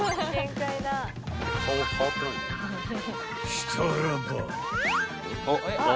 ［したらば］